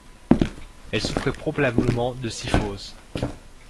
Elle souffrait probablement de cyphose.